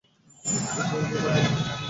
এত জোর দিয়ে তা বলা কি ঠিক?